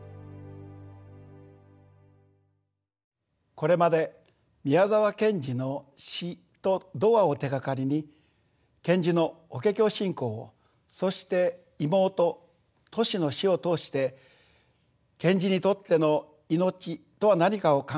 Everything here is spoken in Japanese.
これまで宮沢賢治の詩と童話を手がかりに賢治の「法華経」信仰をそして妹・トシの死を通して賢治にとっての命とは何かを考えてまいりました。